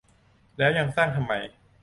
แล้วยังสร้างทำไม